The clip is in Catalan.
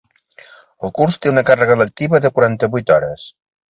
El curs té una càrrega lectiva de quaranta-vuit hores.